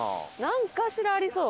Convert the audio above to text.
なんかしらありそう。